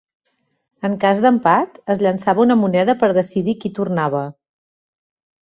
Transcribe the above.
En cas d'empat, es llençava una moneda per decidir qui tornava.